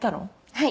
はい。